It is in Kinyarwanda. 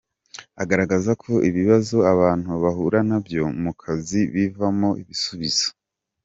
Azagaragaza ko ibibazo abantu bahura na byo mu kazi bivamo ibisubizo.